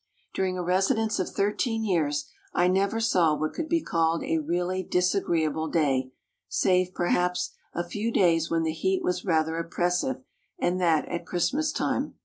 During a residence of thirteen years I never saw what could be called a really disagreeable day, save, perhaps, a few days when the heat was rather oppressive, and that at Christmas time.